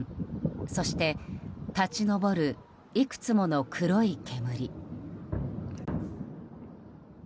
そして立ち上る、いくつもの黒い煙。